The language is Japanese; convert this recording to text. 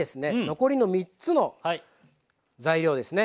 残りの３つの材料ですね